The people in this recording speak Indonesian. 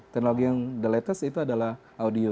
teknologi yang the lattest itu adalah audio